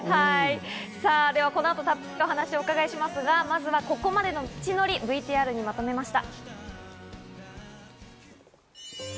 さぁではこの後たっぷりとお話をお伺いしますがまずはここまでの道のりＶＴＲにまとめました。